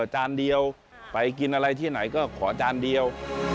จานเดียวไปกินอะไรที่ไหนก็ขอจานเดียว